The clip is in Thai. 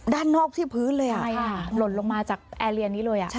ด้านนอกที่พื้นเลยหล่นลงมาจากแอร์เรียนนี้เลย